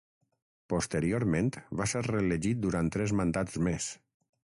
Posteriorment va ser reelegit durant tres mandats més.